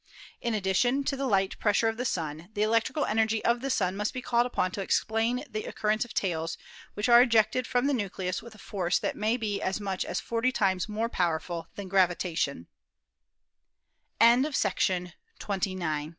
In addition to the light pressure of the Sun, the electri cal energy of the Sun must be called upon to explain the occurrence of tails which are ejected from the nucleus with a force that may be as much as 40 times more power ful than gravita